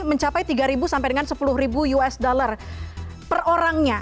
mencapai tiga sampai dengan sepuluh usd per orangnya